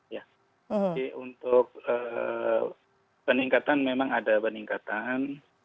jadi untuk peningkatan memang ada peningkatan